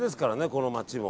この街も。